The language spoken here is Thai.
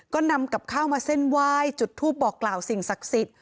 ก็นำกับข้าวมาเส้นไหว้จุดทูปบอกกล่าวสิ่งศักดิ์สิทธิ์